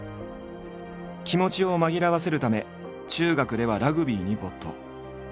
気持ちを紛らわせるため中学ではラグビーに没頭。